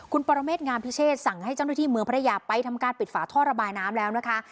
คุณปรเมษงามพิเชษสั่งให้เจ้าหน้าที่เมืองพัทยาไปทำการปิดฝาท่อระบายน้ำแล้วนะคะ